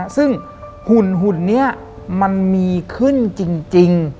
ซึ่งหุ่นนี้มันมีขึ้นจริง